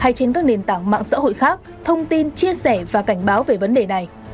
trong đó có rất nhiều bài viết trên các nền tảng mạng xã hội khác thông tin chia sẻ và cảnh báo về vấn đề này